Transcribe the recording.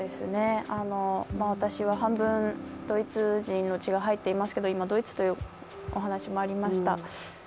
私は半分ドイツ人の血が入っていますけど今、ドイツというお話もありました。